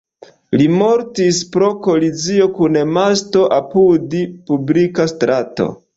Li mortis pro kolizio kun masto apud publika strato.